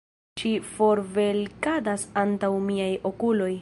Ŝi forvelkadas antaŭ miaj okuloj.